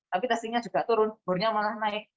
tapi testingnya juga turun bornya malah naik